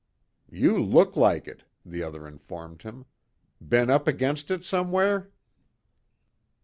"You look like it," the other informed him. "Been up against it somewhere?"